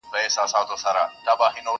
o د هندو د کوره قرآن راووتی٫